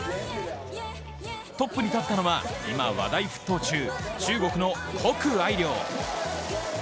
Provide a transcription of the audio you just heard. トップに立ったのは、今話題沸騰中中国の谷愛凌。